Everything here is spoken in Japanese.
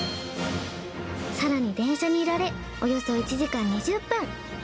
更に電車に揺られおよそ１時間２０分。